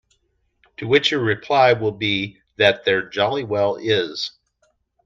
To which your reply will be that there jolly well is.